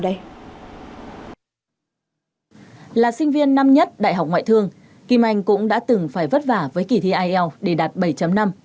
đây anh là sinh viên năm nhất đại học ngoại thương kim anh cũng đã từng phải vất vả với kỷ thi ielts